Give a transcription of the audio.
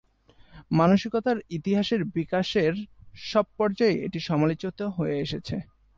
মানসিকতার ইতিহাসের বিকাশের সব পর্যায়েই এটি সমালোচিত হয়ে এসেছে।